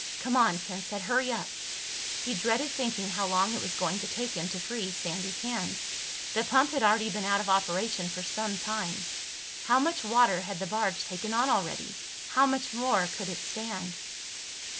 "Come on," Ken said. "Hurry up." He dreaded thinking how long it was going to take him to free Sandy's hands. The pump had already been out of operation for some time. How much water had the barge taken on already? How much more could it stand?